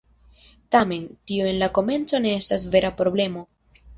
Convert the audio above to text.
Tamen, tio en la komenco ne estis vera problemo.